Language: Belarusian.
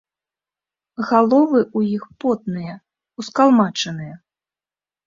Галовы ў іх потныя, ускалмачаныя.